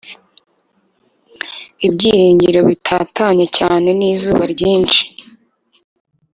ibyiringiro bitatanye cyane nizuba ryinshi